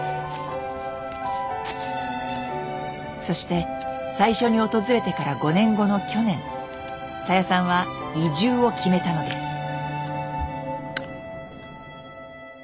そして最初に訪れてから５年後の去年たやさんは移住を決めたのです。